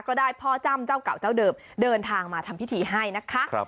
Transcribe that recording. ก็ได้พ่อจ้ำเจ้าเก่าเจ้าเดิมเดินทางมาทำพิธีให้นะคะ